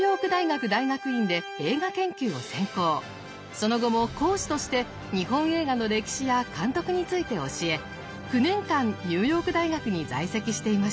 その後も講師として日本映画の歴史や監督について教え９年間ニューヨーク大学に在籍していました。